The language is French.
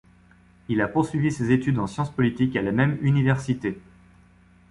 Il a poursuivi ses études en sciences politiques à la même Université.